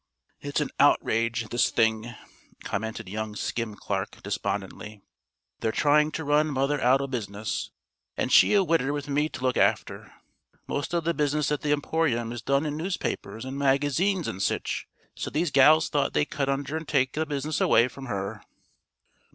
"It's a outrage, this thing," commented young Skim Clark despondently. "They're tryin' to run mother out o' business an' she a widder with me to look after! Most o' the business at the Emporium is done in newspapers an' magazines an' sich; so these gals thought they'd cut under an' take the business away from her."